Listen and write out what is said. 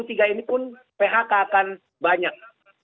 dua ribu dua puluh tiga ini pun phk akan banyak